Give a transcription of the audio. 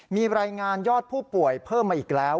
มีรายงานยอดผู้ป่วยเพิ่มมาอีกแล้ว